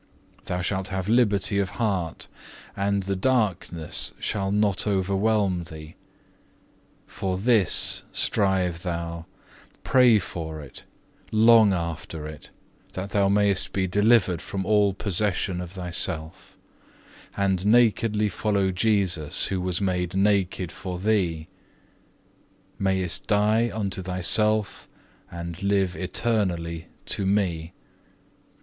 Thou shalt have liberty of heart, and the darkness shall not overwhelm thee. For this strive thou, pray for it, long after it, that thou mayest be delivered from all possession of thyself, and nakedly follow Jesus who was made naked for thee; mayest die unto thyself and live eternally to Me.